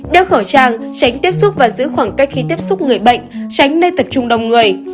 đeo khẩu trang tránh tiếp xúc và giữ khoảng cách khi tiếp xúc người bệnh tránh nơi tập trung đông người